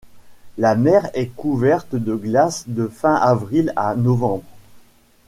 La mer est couverte de glace de fin avril à novembre.